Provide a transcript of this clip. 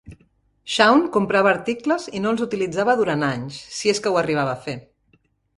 Shawn comprava articles i no els utilitzava durant anys, si és que ho arribava a fer.